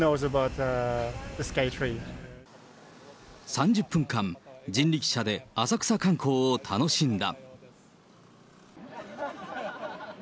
３０分間、人力車で浅草観光を楽しんだ。